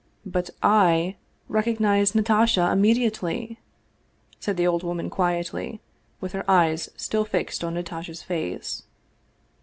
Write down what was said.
" But / recognized Natasha immediately," said the old woman quietly, her eyes still fixed on Natasha's face.